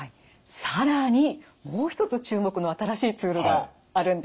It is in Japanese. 更にもう一つ注目の新しいツールがあるんです。